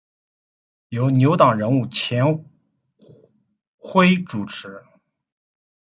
由牛党人物钱徽主持。